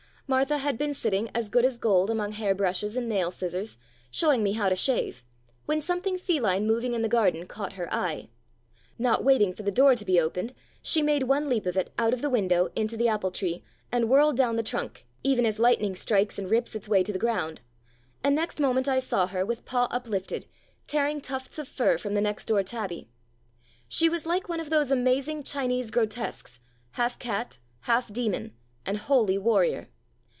Martha had been sitting as good as gold among hair brushes and nail scissors, showing me how to shave, when something feline moving in the garden caught her eye. Not waiting for the door to be opened, she made one leap of it out of the window into the apple tree, and whirled down the trunk, even as lightning strikes and rips its way 236 "Puss cat" to the ground, and next moment I saw her, with paw uplifted, tearing tufts of fur from the next door tabby. She was like one of those amazing Chinese grotesques, half cat, half demon, and wholly warrior.